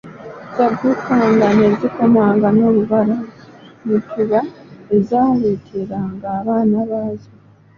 Zaabukanga ne zikomanga n'obubala bw'oku mutuba bwe zaaleteranga abaana baazo.